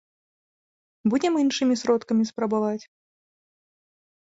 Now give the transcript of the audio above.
Будзем іншымі сродкамі спрабаваць.